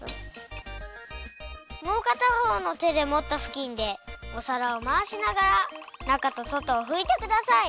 もうかたほうの手でもったふきんでお皿をまわしながら中と外をふいてください。